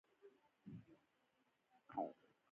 سبا ورځ مو هم ټوله ورځ تر باران لاندې په چټکۍ تېره کړه.